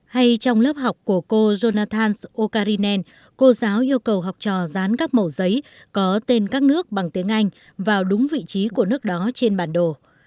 hay trong lớp học của cô jonathans okarinen cô giáo yêu cầu học trò dán các mẫu giấy có tên các nước bằng tiếng anh vào đúng vị trí của nước đó trên bản đồ